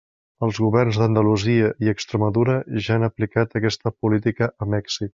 Els governs d'Andalusia i Extremadura ja han aplicat aquesta política amb èxit.